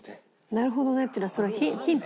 「なるほどね」っていうのはそれはヒント？